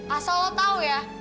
asal lo tau ya